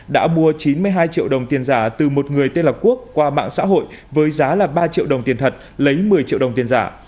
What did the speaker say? đã mua chín mươi hai triệu đồng tiền giả từ một người tên là quốc qua mạng xã hội với giá là ba triệu đồng tiền thật lấy một mươi triệu đồng tiền giả